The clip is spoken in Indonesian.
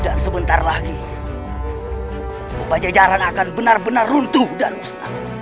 dan sebentar lagi bupajajaran akan benar benar runtuh dan rusak